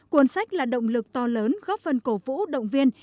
cuốn sách là động lực to lớn góp phần cổ vũ động viên